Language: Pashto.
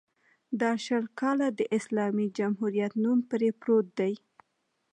دا شل کاله د اسلامي جمهوریت نوم پرې پروت دی.